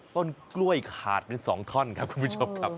ต้นกล้วยขาดเป็น๒ท่อนครับคุณผู้ชมครับ